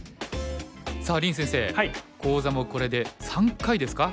さあ林先生講座もこれで３回ですか。